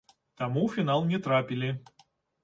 Таму ў фінал не трапілі.